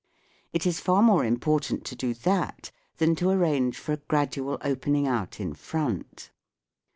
It is far more important to do that than to arrange for a gradual opening out in front.